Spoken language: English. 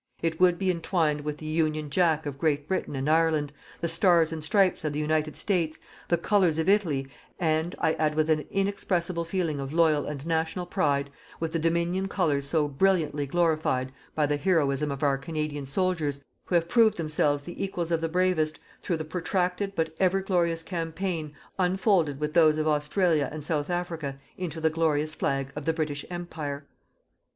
It would be entwined with the "UNION JACK" of Great Britain and Ireland, the "STARS AND STRIPES" of the United States, the Colours of Italy, and, I add with an inexpressible feeling of loyal and national pride, with the Dominion Colours so brilliantly glorified by the heroism of our Canadian soldiers who have proved themselves the equals of the bravest through the protracted but ever glorious campaign, unfolded with those of Australia and South Africa into the glorious flag of the British Empire.